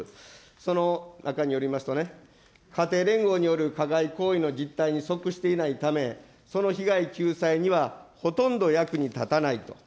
その中によりますと、家庭連合による加害行為の実態に即していないため、その被害救済にはほとんど役に立たないと。